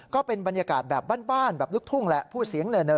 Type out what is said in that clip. ก็เป็นบรรยากาศแบบบ้านแบบลูกทุ่งแหละพูดเสียงเนอ